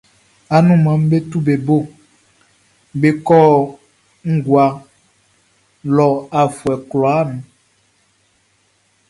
Anunmanʼm be tu be bo be kɔ ngua lɔ afuɛ kwlaa nun.